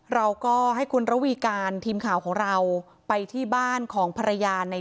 เราก็ให้คุณระวีการทีมข่าวของเราไปที่บ้านของภรรยาใน